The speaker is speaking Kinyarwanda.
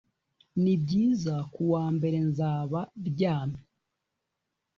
nibyiza kuwambere nzaba ryamye